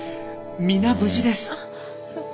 皆無事です。